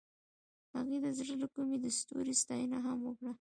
هغې د زړه له کومې د ستوري ستاینه هم وکړه.